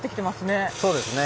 そうですね。